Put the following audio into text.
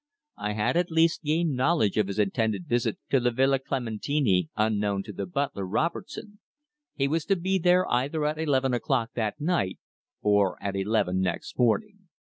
I had at least gained knowledge of his intended visit to the Villa Clementini unknown to the butler, Robertson. He was to be there either at eleven o'clock that night or at eleven next morning.